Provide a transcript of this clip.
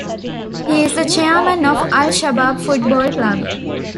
He is the chairman of Al-Shabab football club.